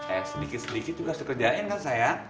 eh sedikit sedikit juga harus dikerjain kan saya